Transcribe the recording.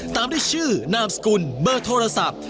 ตามด้วยชื่อนามสกุลเบอร์โทรศัพท์